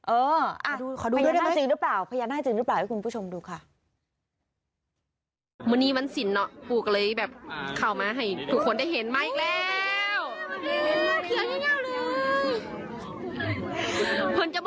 เออขอดูด้วยนี่มันจริงหรือเปล่าพญานาคจริงหรือเปล่าให้คุณผู้ชมดูค่ะ